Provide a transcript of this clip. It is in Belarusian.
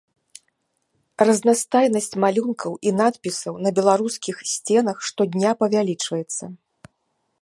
Разнастайнасць малюнкаў і надпісаў на беларускіх сценах штодня павялічваецца.